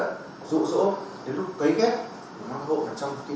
từ lúc tiếp cận rỗ rỗ đến lúc cấy kết mang hộ vào trong một môi trường khép kín